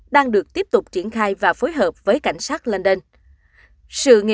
đang được tiếp tục triển khai và phối hợp với cảnh sát london